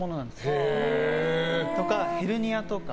あとヘルニアとか。